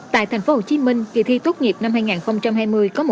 tại tp hcm kỳ thi tốt nghiệp năm hai nghìn hai mươi có một trăm một mươi sáu đồng